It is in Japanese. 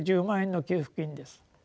１０万円の給付金です。